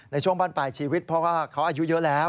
ในช่วงบ้านปลายชีวิตเพราะว่าเขาอายุเยอะแล้ว